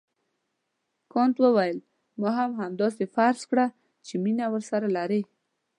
کانت وویل ما هم همداسې فرض کړه چې مینه ورسره لرې.